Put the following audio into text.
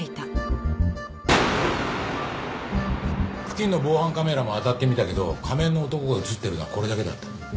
付近の防犯カメラも当たってみたけど仮面の男が映ってるのはこれだけだった。